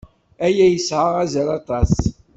Aya yesɛa azal aṭas.